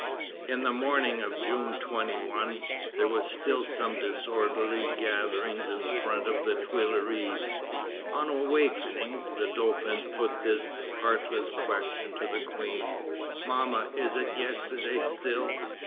In the morning of June 21 there were still some disorderly gatherings in front of the Tuileries. On awaking, the Dauphin put this artless question to the Queen: "Mamma, is it yesterday still?"